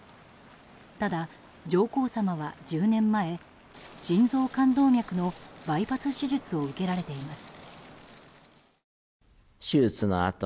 ただ、上皇さまは１０年前心臓冠動脈のバイパス手術を受けられています。